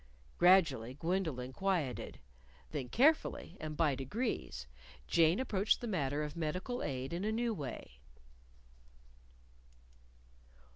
Gradually Gwendolyn quieted. Then carefully, and by degrees, Jane approached the matter of medical aid in a new way.